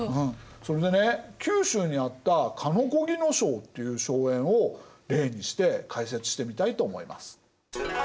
それでね九州にあった鹿子木荘っていう荘園を例にして解説してみたいと思います。